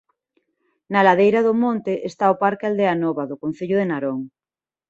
Na ladeira do monte está o parque Aldea Nova do concello de Narón.